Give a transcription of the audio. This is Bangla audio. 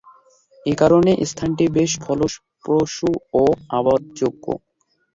একারণে স্থানটি বেশ ফলপ্রসূ ও আবাদযোগ্য।